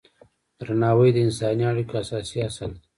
درناوی د انساني اړیکو اساسي اصل دی.